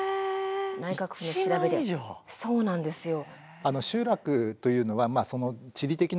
そうなんですよ。